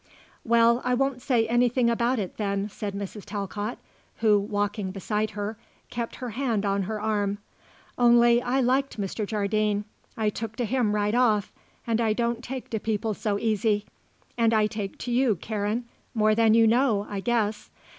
"Well, I won't say anything about it, then," said Mrs. Talcott, who, walking beside her, kept her hand on her arm. "Only I liked Mr. Jardine. I took to him right off, and I don't take to people so easy. And I take to you, Karen, more than you know, I guess.